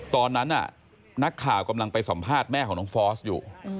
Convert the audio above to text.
ตอนนั้นนักข่าวกำลังไปสัมภาษณ์แม่ของน้องฟอสอยู่